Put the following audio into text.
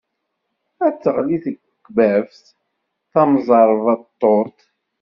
Ad teɣli tekbabt tamẓerbeḍḍut!